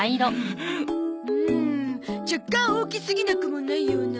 うーん若干大きすぎなくもないような。